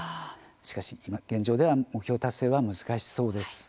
しかし今、現状では目標達成は難しそうです。